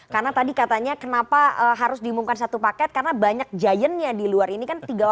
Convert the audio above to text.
karena tadi katanya kenapa harus diumumkan satu paket karena banyak giantnya di luar ini kan